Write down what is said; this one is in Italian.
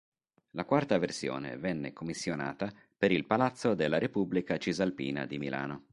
La quarta versione venne commissionata per il palazzo della Repubblica Cisalpina di Milano.